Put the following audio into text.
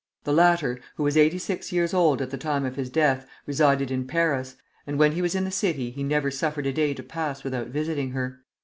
The latter, who was eighty six years old at the time of his death, resided in Paris, and when he was in the city he never suffered a day to pass without visiting her.